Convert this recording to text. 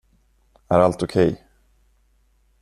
Är allt okej?